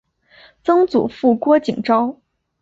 曾祖父郭景昭。